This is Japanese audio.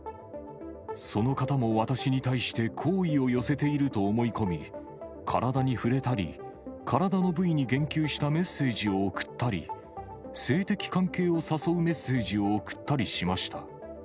その方も私に対して好意を寄せていると思い込み、体に触れたり、体の部位に言及したメッセージを送ったり、性的関係を誘うメッセージを送ったりしました。